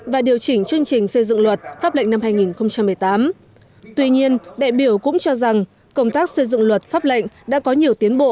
và điều chỉnh chương trình xây dựng luật pháp lệnh năm hai nghìn một mươi tám tuy nhiên đại biểu cũng cho rằng công tác xây dựng luật pháp lệnh đã có nhiều tiến bộ